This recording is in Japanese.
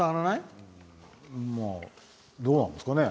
どうなんですかね。